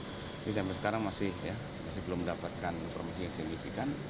jadi sampai sekarang masih belum mendapatkan informasi yang signifikan